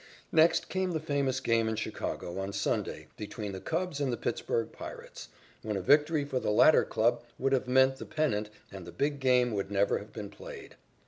Next came the famous game in Chicago on Sunday between the Cubs and the Pittsburg Pirates, when a victory for the latter club would have meant the pennant and the big game would never have been played.